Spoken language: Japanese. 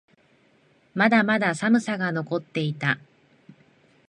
まだまだ寒さが残っていた。